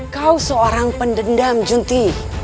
kau seorang pendendam junti